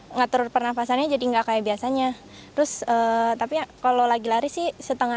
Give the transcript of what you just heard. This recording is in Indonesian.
nggak terur pernafasannya jadi enggak kayak biasanya terus tapi kalau lagi lari sih setengah